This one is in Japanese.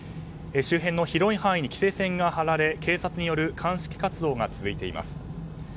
周辺の広い範囲に規制線が張られ警察による鑑識活動が続いています。